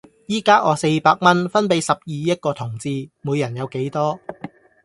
依家我四百蚊分俾十二億個同志，每人有幾多?